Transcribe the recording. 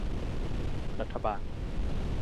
รัฐบาล